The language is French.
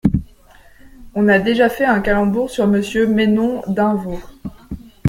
On a déjà fait un calembour sur Monsieur Maynon d'Invaux.